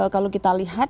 kalau kita lihat